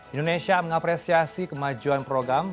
indonesia mengapresiasi kemajuan program